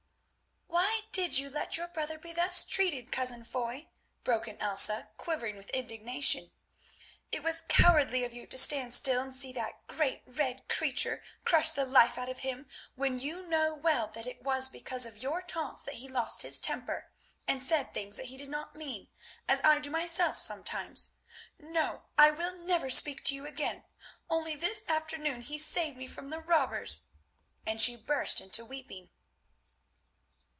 "Why did you let your brother be thus treated, cousin Foy?" broke in Elsa quivering with indignation. "It was cowardly of you to stand still and see that great red creature crush the life out of him when you know well that it was because of your taunts that he lost his temper and said things that he did not mean, as I do myself sometimes. No, I will never speak to you again—and only this afternoon he saved me from the robbers!" and she burst into weeping.